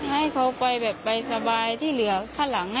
ให้เขาไปแบบไปสบายที่เหลือข้างหลัง